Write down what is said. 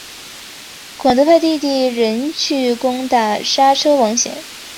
广德派弟弟仁去攻打莎车王贤。